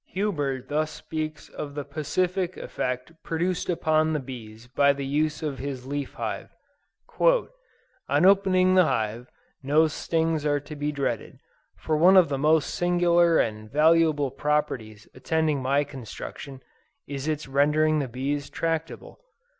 Huber thus speaks of the pacific effect produced upon the bees by the use of his leaf hive. "On opening the hive, no stings are to be dreaded, for one of the most singular and valuable properties attending my construction, is its rendering the bees tractable.